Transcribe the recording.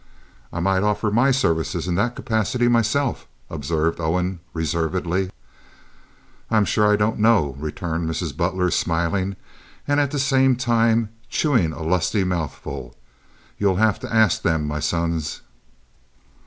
"I might offer my services in that capacity myself," observed Owen, reservedly. "I'm sure I don't know," returned Mrs. Butler, smiling, and at the same time chewing a lusty mouthful. "You'll have to ast 'em, my sons."